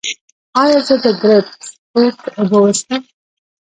ایا زه د ګریپ فروټ اوبه وڅښم؟